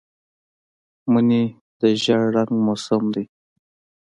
مني د زېړ رنګ موسم دی